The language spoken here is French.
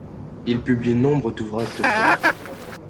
Il publie nombre d'ouvrages de fond.